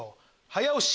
早押し！